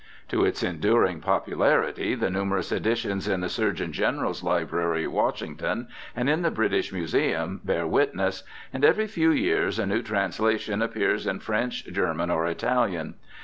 To its enduring popularity the numerous editions in the Surgeon General's Library, Washington, and in the British Museum bear witness, and every few years a new translation appears in French, German, or Italian.